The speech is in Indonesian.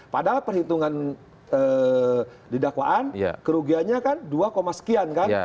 padahal perhitungan di dakwaan kerugiannya kan dua sekian kan